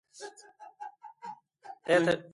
دا اړینه ده چې پوه شې خپل ځان ته څنګه ښکارې.